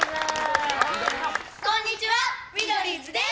こんにちはミドリーズです！